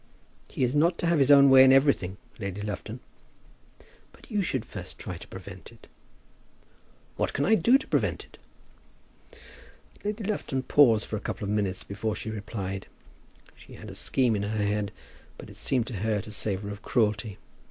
"He is not to have his own way in everything, Lady Lufton." "But you should first try to prevent it." "What can I do to prevent it?" Lady Lufton paused for a couple of minutes before she replied. She had a scheme in her head, but it seemed to her to savour of cruelty.